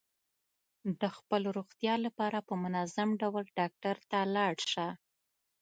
د خپل روغتیا لپاره په منظم ډول ډاکټر ته لاړ شه.